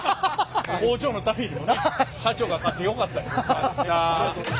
工場のためにもね社長が勝ってよかったです。